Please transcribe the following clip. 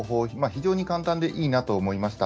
非常に簡単でいいなと思いました。